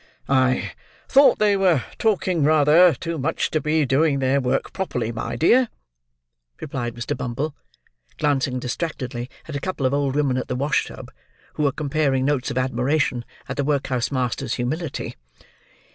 "I thought they were talking rather too much to be doing their work properly, my dear," replied Mr. Bumble: glancing distractedly at a couple of old women at the wash tub, who were comparing notes of admiration at the workhouse master's humility.